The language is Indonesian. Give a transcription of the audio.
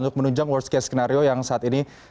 untuk menunjang worst case skenario yang saat ini